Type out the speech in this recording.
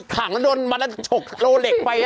ถังโดนมาแล้วฉกโลเหล็กไป